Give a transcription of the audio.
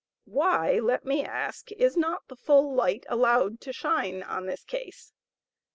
Why, let me ask, is not the full light allowed to shine on this case?